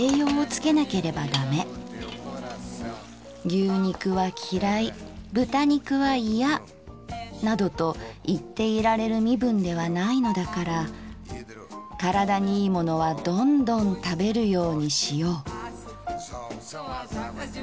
牛肉は嫌い豚肉はいや──などと言っていられる身分ではないのだから身体にいいものはどんどん食べるようにしよう」。